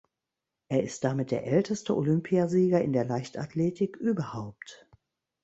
Er ist damit der älteste Olympiasieger in der Leichtathletik überhaupt.